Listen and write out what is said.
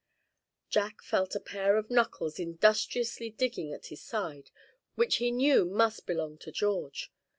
Jack felt a pair of knuckles industriously digging at his side which he knew must belong to George.